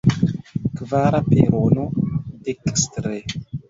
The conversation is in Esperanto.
Kvara perono, dekstre.